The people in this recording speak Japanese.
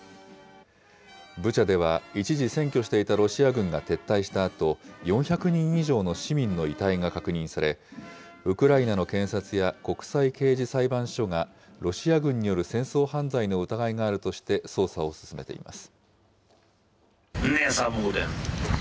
ブチャでは、一時占拠していたロシア軍が撤退したあと、４００人以上の市民の遺体が確認され、ウクライナの検察や国際刑事裁判所が、ロシア軍による戦争犯罪の疑いがあるとして、捜査を進めています。